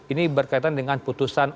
ini berkaitan dengan putusan